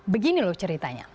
begini lho ceritanya